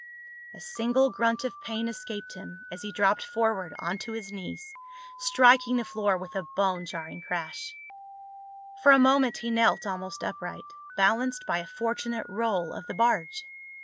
A single grunt of pain escaped him as he dropped forward onto his knees, striking the floor with a bone jarring crash. For a moment he knelt almost upright, balanced by a fortunate roll of the barge.